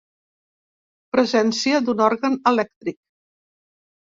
Presència d'un òrgan elèctric.